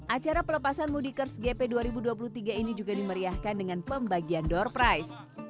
acara pelepasan mudikers gp dua ribu dua puluh tiga ini juga dimeriahkan dengan pembagian door price